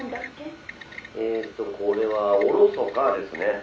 「えーっとこれは“おろそか”ですね」